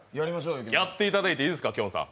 やっていただいていいですか、きょんさん。